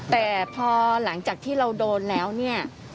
แต่พอหลังจากที่เราโดนแล้วเนี่ย